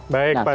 baik pak azril